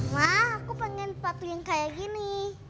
mah aku pengen sepatu yang kayak gini